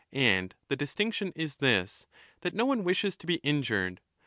And the distinction is this, 3° that no one wishes to be injured.